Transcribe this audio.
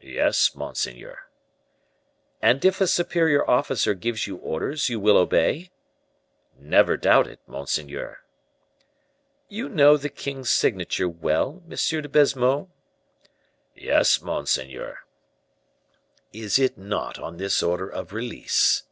"Yes, monseigneur." "And if a superior officer gives you orders, you will obey?" "Never doubt it, monseigneur." "You know the king's signature well, M. de Baisemeaux?" "Yes, monseigneur." "Is it not on this order of release?"